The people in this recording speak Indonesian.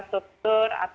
dan juga internet